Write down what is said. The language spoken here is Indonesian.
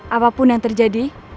apapun yang terjadi